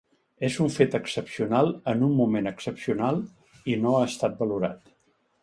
És un fet excepcional en un moment excepcional i no ha estat valorat.